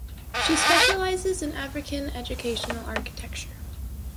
She specialises in African educational architecture.